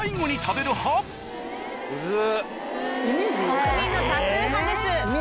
国民の多数派です。